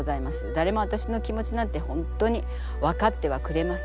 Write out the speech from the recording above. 誰も私の気持ちなんて本当に分かってはくれません。